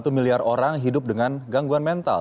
satu miliar orang hidup dengan gangguan mental